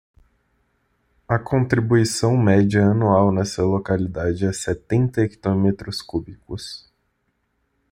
A contribuição média anual nessa localidade é setenta hectómetros cúbicos.